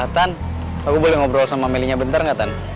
tan aku boleh ngobrol sama melinya bentar gak tan